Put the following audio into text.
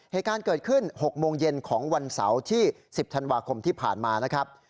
เหตุการณ์เกิดขึ้น๖โมงเย็นของวันเสาร์ที่๑๐ธันวาคมที่ผ่านมานะครับ